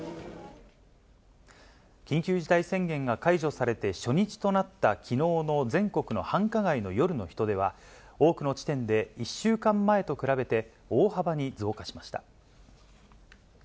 緊急事態宣言が解除されて初日となったきのうの全国の繁華街の夜の人出は、多くの地点で１週間前と比べて、大幅に増加しました。